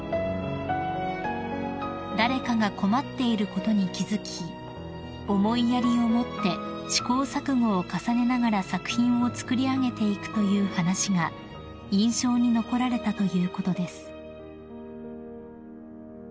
［誰かが困っていることに気付き思いやりを持って試行錯誤を重ねながら作品を作り上げていくという話が印象に残られたということです］